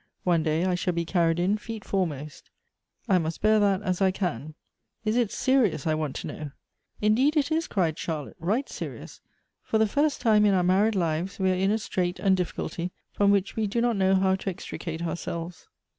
One day I shall be carried in feet foremost. I must bear that as I can. — Is it serious, I want to know ?"" Indeed it is," cried Charlotte, " right serious. For the first time in our married lives, we are in a strait and diffi culty, from which we do not know how to extricate our selves."